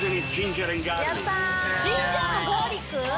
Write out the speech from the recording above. ジンジャー＆ガーリック？